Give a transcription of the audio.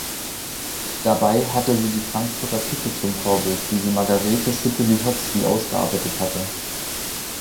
Dabei hatte sie die Frankfurter Küche zum Vorbild, wie sie Margarete Schütte-Lihotzky ausgearbeitet hatte.